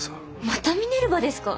またミネルヴァですか！？